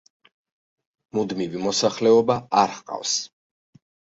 მუდმივი მოსახლეობა არ ჰყავს.